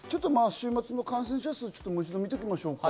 週末の感染者数を見ていきましょうか。